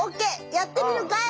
やってみるかい？